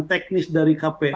teknis dari kp